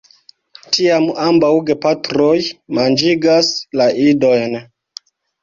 Tiam ambaŭ gepatroj manĝigas la idojn.